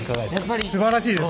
すばらしいです。